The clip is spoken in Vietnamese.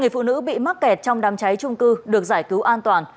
hai người phụ nữ bị mắc kẹt trong đám cháy trung cư được giải cứu an toàn